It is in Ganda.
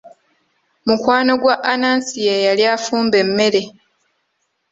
Mukwano gwa Anansi ye yali afumba emmere.